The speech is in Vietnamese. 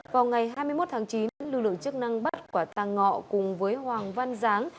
vào ngày hai mươi một tháng chín lực lượng chức năng bắt quả tăng ngọ cùng với hoàng văn giáng